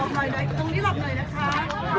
สวัสดีครับ